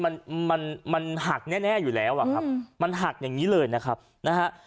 มันมันมันหักแน่แน่อยู่แล้วอ่ะครับมันหักอย่างนี้เลยนะครับนะฮะ